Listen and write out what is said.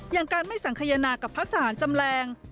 อย่างการไม่สังขยนากับพักทหารจำแรง